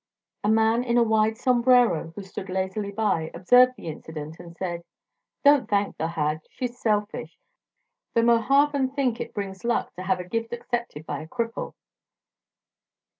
A man in a wide sombrero who stood lazily by observed the incident and said: "Don't thank the hag. She's selfish. The Mojaven think it brings luck to have a gift accepted by a cripple."